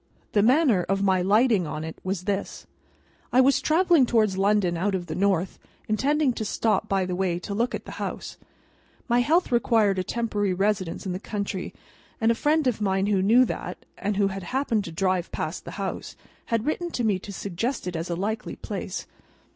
The manner of my lighting on it was this. I was travelling towards London out of the North, intending to stop by the way, to look at the house. My health required a temporary residence in the country; and a friend of mine who knew that, and who had happened to drive past the house, had written to me to suggest it as a likely place.